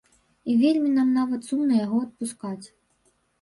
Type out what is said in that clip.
І вельмі нам нават сумна яго адпускаць.